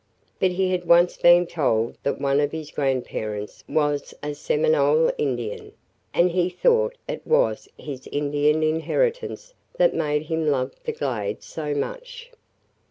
But he had once been told that one of his grandparents was a Seminole Indian and he thought it was his Indian inheritance that made him love the Glades so much.